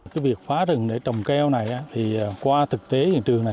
cái việc phá rừng để trồng keo này thì qua thực tế hiện trường này